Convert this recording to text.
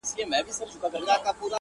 هردم ولې ښکاریږي ستا جمال نوی نوی